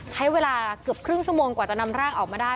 ใช้เวลาเกือบครึ่งชั่วโมงกว่าจะนำร่างออกมาได้